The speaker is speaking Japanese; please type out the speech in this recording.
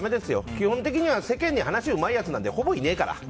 基本的には世間に話うまいやつなんてほぼいねえから。